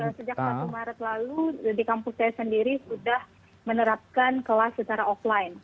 sejak satu maret lalu di kampus saya sendiri sudah menerapkan kelas secara offline